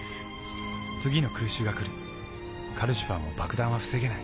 次の空襲が来るカルシファーも爆弾は防げない。